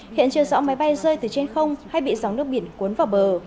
hiện chưa rõ máy bay rơi từ trên không hay bị dòng nước biển cuốn vào bờ